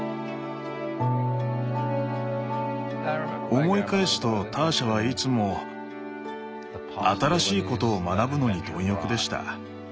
思い返すとターシャはいつも新しいことを学ぶのに貪欲でした。